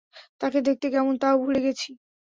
তাকে দেখতে কেমন তাও ভুলে গেছি!